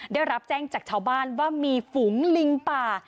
ได้รับแจ้งจากชาวบ้านว่ามีฝูงลิงป่า